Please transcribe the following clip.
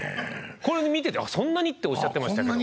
これで見てて「そんなに？」っておっしゃってましたけど。